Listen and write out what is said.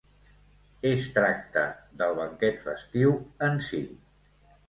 Es tracte del banquet festiu en si.